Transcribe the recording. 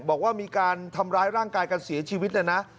บอกว่ามีการทำร้ายร่างกายกันเสียชีวิตเลยนะ